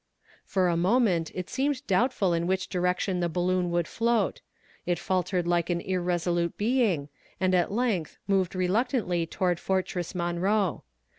For a moment it seemed doubtful in which direction the balloon would float; it faltered like an irresolute being, and at length moved reluctantly toward Fortress Monroe.